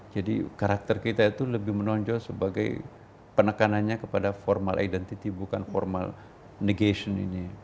jadi karakter kita itu lebih menonjol sebagai penekanannya kepada formal identity bukan formal negation ini